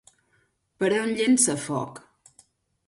Per on llença foc?